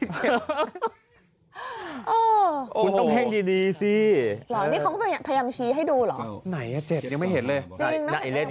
คุณต้องแข้งดีสิทีนี้เขาก็พยายามชี้ให้ดูหรอก